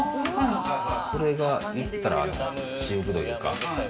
これが言ったら私服というか。